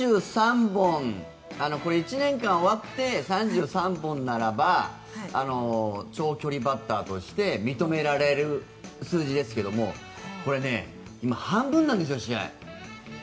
これ、１年間終わって３３本ならば長距離バッターとして認められる数字ですけどこれね、今半分なんですよ、試合。